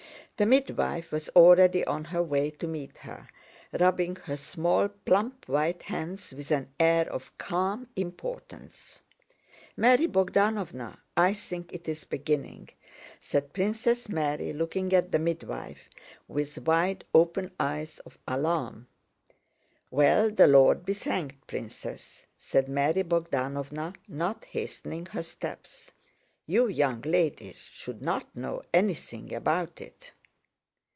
The midwife was already on her way to meet her, rubbing her small, plump white hands with an air of calm importance. "Mary Bogdánovna, I think it's beginning!" said Princess Mary looking at the midwife with wide open eyes of alarm. "Well, the Lord be thanked, Princess," said Mary Bogdánovna, not hastening her steps. "You young ladies should not know anything about it."